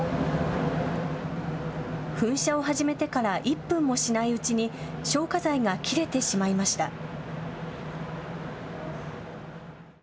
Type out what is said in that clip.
噴射を始めてから１分もしないうちに消火剤が切れてしまいました。